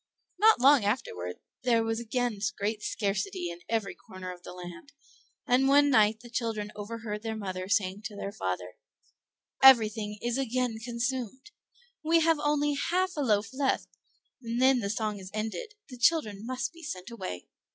Not long afterward there was again great scarcity in every corner of the land; and one night the children overheard their mother saying to their father, "Everything is again consumed; we have only half a loaf left, and then the song is ended: the children must be sent away.